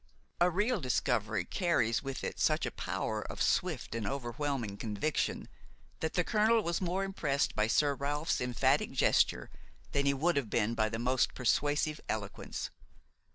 A real discovery carries with it such a power of swift and overwhelming conviction, that the colonel was more impressed by Sir Ralph's emphatic gesture than he would have been by the most persuasive eloquence.